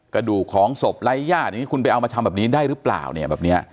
กระดูกของศพไร้ญาติอย่างนี้คุณไปเอามาทำแบบนี้ได้หรือเปล่าเนี่ยแบบเนี้ย